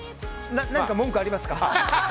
何か文句ありますか？